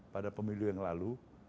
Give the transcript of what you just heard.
pada pemilu yang lalu